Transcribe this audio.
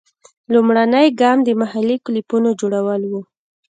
لومړنی ګام د محلي کلوپونو جوړول وو.